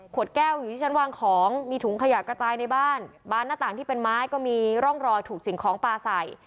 แก้วอยู่ที่ชั้นวางของมีถุงขยะกระจายในบ้านบานหน้าต่างที่เป็นไม้ก็มีร่องรอยถูกสิ่งของปลาใส่